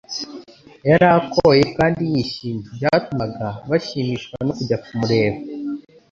Yari akoye kandi yishimye, byatumaga bashimishwa no kujya kumureba;